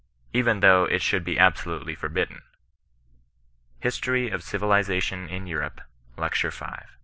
177 even though it should be absolutely forbidden." — Hi& tory of Civilization in Europe, Lect. V.